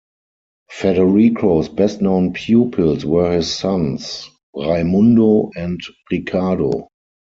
Federico's best-known pupils were his sons, Raimundo and Ricardo.